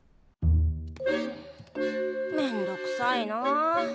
めんどくさいなあ。